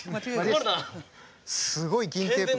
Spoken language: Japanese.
すごい銀テープ。